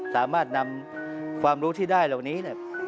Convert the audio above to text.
สามารถนำความรู้ที่ได้เหล่านี้